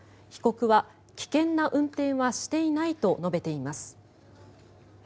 被告は危険な運転はしていないと述べています。